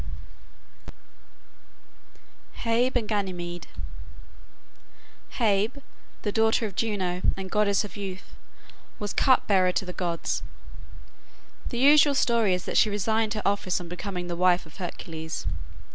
S. G. B. HEBE AND GANYMEDE Hebe, the daughter of Juno, and goddess of youth, was cup bearer to the gods. The usual story is that she resigned her office on becoming the wife of Hercules.